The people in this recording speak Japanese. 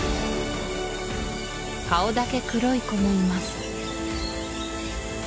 顔だけ黒い子もいます